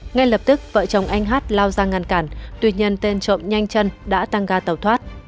ngay lập tức vợ chồng anh h lao ra ngăn cản tuyệt nhân tên trộm nhanh chân đã tăng ga tàu thoát